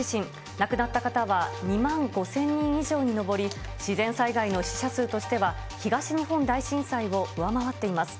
亡くなった方は２万５０００人以上に上り、自然災害の死者数としては、東日本大震災を上回っています。